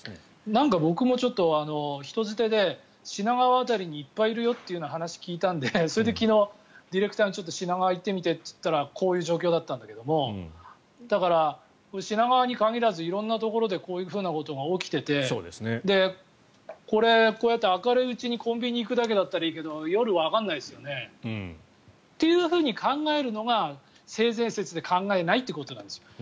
僕も人づてで品川辺りにいっぱいいるよという話を聞いたのでそれで昨日、ディレクターに品川行ってみてと言ったらこういう状況だったんだけどだから、品川に限らず色んなところでこういうふうなことが起きててこれ、こうやって明るいうちにコンビニに行くだけだったらいいけど夜、わからないですよね。というふうに考えるのが性善説で考えないということなんです。